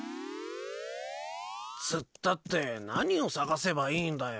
つったって何を探せばいいんだよ。